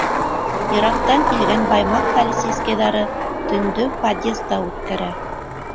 Йыраҡтан килгән Баймаҡ полицейскийҙары төндө подъезда үткәрә.